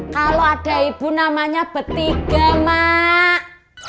kalau ada ibu namanya bertiga mak